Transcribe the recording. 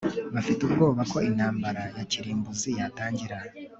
bafite ubwoba ko intambara ya kirimbuzi yatangira